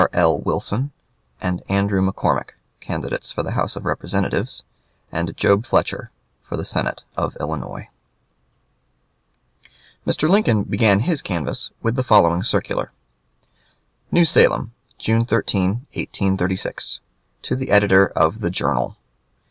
L. Wilson, and Andrew McCormick, candidates for the House of Representatives, and Job Fletcher for the Senate, of Illinois. Mr. Lincoln began his canvass with the following circular: NEW SALEM/June 13, 1836. To the Editor of the "Journal."